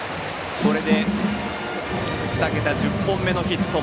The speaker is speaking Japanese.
これで２桁１０本目のヒット。